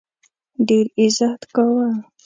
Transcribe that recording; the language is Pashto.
ډېر عزت کاوه.